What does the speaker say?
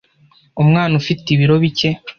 umwana ufite ibiro bike